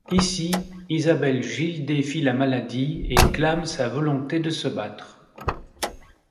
Ici, Élisabeth Gille défie la maladie et clame sa volonté de se battre.